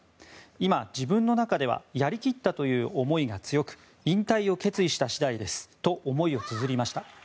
今、自分の中ではやり切ったという思いが強く引退を決意した次第ですと思いをつづりました。